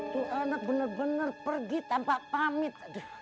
tuhan bener bener pergi tanpa pamit